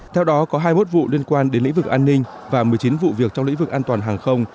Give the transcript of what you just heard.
theo đó có hai mươi một vụ liên quan đến lĩnh vực an ninh và một mươi chín vụ việc trong lĩnh vực an toàn hàng không